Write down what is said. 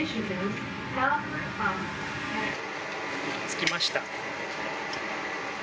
着きました。